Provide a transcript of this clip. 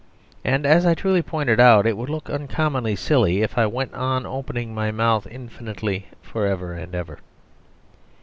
And as I truly pointed out, it would look uncommonly silly if I went on opening my mouth infinitely, for ever and ever.